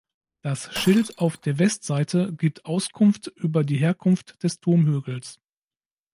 Das Schild auf der Westseite gibt Auskunft über die Herkunft des Turmhügels.